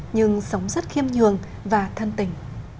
nhưng sống rất khiêm nhường và thân tình